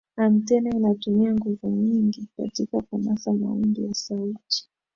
antena inatumia nguvu nyingi katika kunasa mawimbi ya sauti